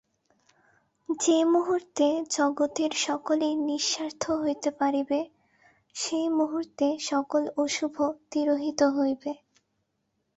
যে মুহূর্তে জগতের সকলে নিঃস্বার্থ হইতে পারিবে, সেই মুহূর্তে সকল অশুভ তিরোহিত হইবে।